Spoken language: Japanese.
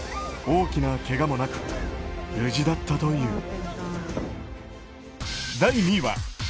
大きなけがもなく無事だったという。